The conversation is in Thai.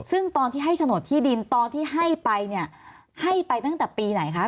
ซึ่งตอนที่ให้โฉนดที่ดินตอนที่ให้ไปเนี่ยให้ไปตั้งแต่ปีไหนคะ